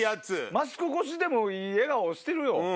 マスク越しでもいい笑顔してるよ！